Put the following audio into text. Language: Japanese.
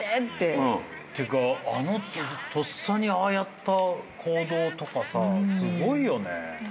っていうかとっさにああやった行動とかさすごいよね。